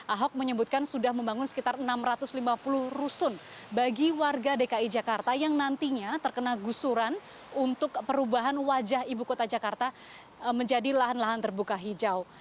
ahok menyebutkan sudah membangun sekitar enam ratus lima puluh rusun bagi warga dki jakarta yang nantinya terkena gusuran untuk perubahan wajah ibu kota jakarta menjadi lahan lahan terbuka hijau